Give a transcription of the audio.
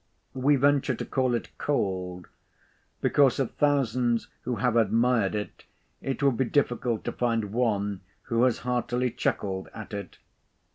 We venture to call it cold; because of thousands who have admired it, it would be difficult to find one who has heartily chuckled at it.